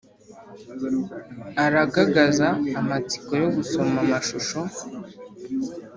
aragagaza amatsiko yo gusoma amashusho